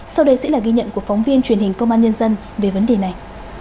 sau đây sẽ là ghi nhận của phóng viên truyền hình công an nhân dân về vấn đề này